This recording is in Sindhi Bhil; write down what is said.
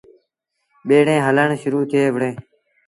ٻيٚڙيٚن هلڻ شرو ٿئي وُهڙيٚن۔